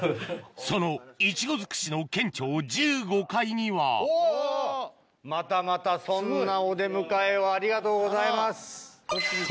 そのいちご尽くしの県庁１５階にはおぉまたまたそんなお出迎えをありがとうございます。